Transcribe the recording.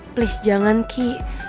please jangan ki